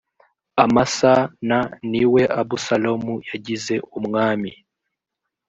amasa n ni we abusalomu yagize umwami